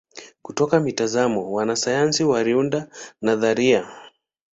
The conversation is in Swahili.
Kutoka mitazamo wanasayansi wanaunda nadharia.